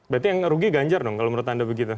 berarti yang rugi ganjar dong kalau menurut anda begitu